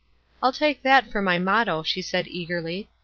"I'll take that for my motto," she said, eagerly.